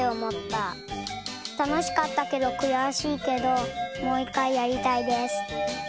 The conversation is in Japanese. たのしかったけどくやしいけどもういっかいやりたいです。